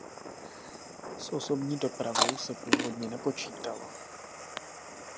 S osobní dopravou se původně nepočítalo.